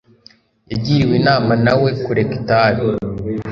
yagiriwe inama na we kureka itabi